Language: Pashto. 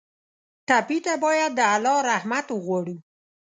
ټپي ته باید د الله رحمت وغواړو.